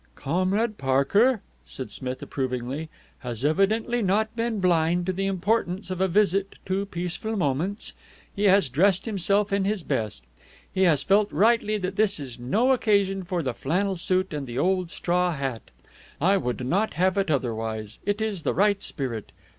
"Comrade Parker," said Smith approvingly, "has evidently not been blind to the importance of a visit to Peaceful Moments. He has dressed himself in his best. He has felt, rightly, that this is no occasion for the flannel suit and the old straw hat. I would not have it otherwise. It is the right spirit.